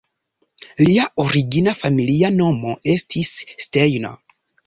Lia origina familia nomo estis "Steiner".